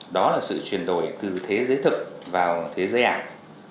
đó là sự chuyển đổi từ thế giới thực vào thế giới ảo